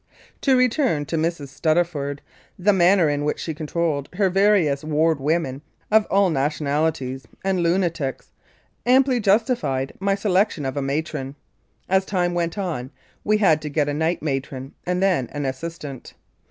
To return to Mrs. Stuttaford, the manner in which she controlled her various ward women of all nation alities, and lunatics, amply justified my selection of a matron. As time went on, we had to get a night matron, and then an assistant.